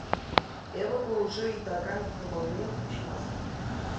Эпӗ пулӑшу ыйтакан кӑмӑлне хуҫмастӑп.